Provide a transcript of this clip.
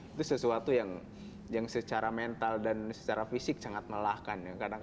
itu sesuatu yang secara mental dan secara fisik sangat melelahkan